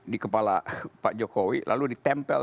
di kepala pak jokowi lalu ditempel